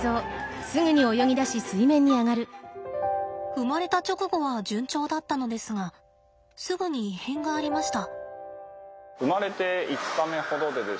生まれた直後は順調だったのですがすぐに異変がありました。